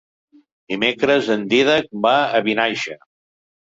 Dimecres en Dídac va a Vinaixa.